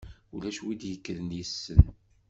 Ulac win i d-yekkren yessen.